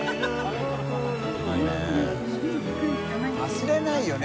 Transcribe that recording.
忘れないよね